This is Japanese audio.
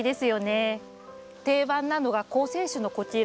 定番なのが高性種のこちら。